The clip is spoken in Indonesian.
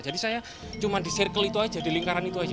jadi saya cuma di circle itu saja di lingkaran itu saja